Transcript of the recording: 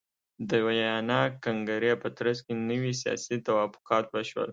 د ویانا کنګرې په ترڅ کې نوي سیاسي توافقات وشول.